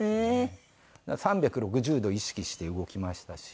３６０度意識して動きましたし。